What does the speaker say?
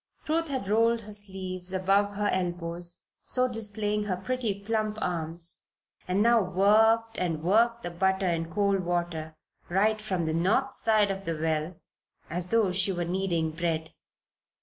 Ruth had rolled her sleeves above her elbows, so displaying her pretty plump arms, and now worked and worked the butter in cold water right "from the north side of the well" as though she were kneading bread.